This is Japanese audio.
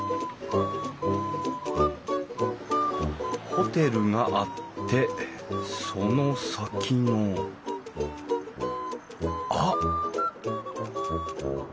ホテルがあってその先のあっ！